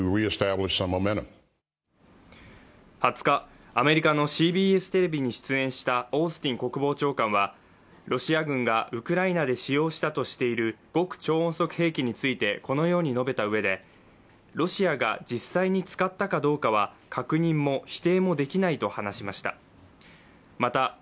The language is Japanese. ２０日、アメリカのＣＢＳテレビに出演したオースティン国防長官はロシア軍がウクライナで使用したとしている極超音速兵器についてこのように述べたうえで、ロシアが実際に使ったかどうかは確認も否定もできないと話しました。